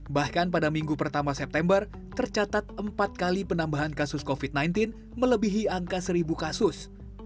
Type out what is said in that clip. bahkan pada minggu pertama september tercatat empat kali penambahan kasus covid sembilan belas melebihi angka seribu kasus